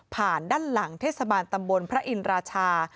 ด้านหลังเทศบาลตำบลพระอินราชา